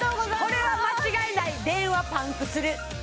これは間違いない電話パンクする！